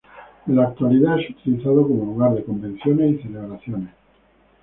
En la actualidad, es utilizado como lugar de convenciones y celebraciones.